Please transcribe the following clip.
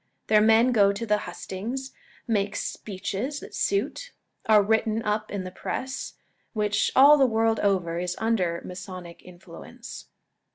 Their men go to the hustings, make speeches that suit, are written up in the press, which, all the world over, is under Masonic influence.